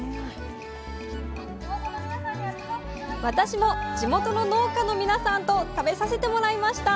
私も地元の農家の皆さんと食べさせてもらいました